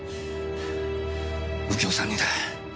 右京さんにだ。